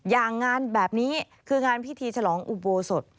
งานแบบนี้คืองานพิธีฉลองอุโบสถ